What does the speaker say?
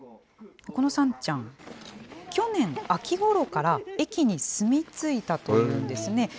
このさんちゃん、去年秋ごろから、駅に住み着いたというんですね。